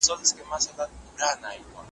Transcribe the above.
چي د هیڅ هدف لپاره مي لیکلی نه دی .